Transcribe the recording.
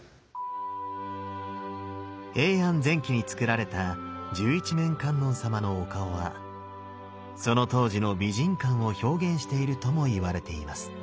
平安前期に造られた十一面観音様のお顔はその当時の美人感を表現しているともいわれています。